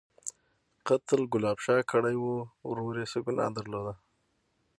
_قتل ګلاب شاه کړی و، ورور يې څه ګناه درلوده؟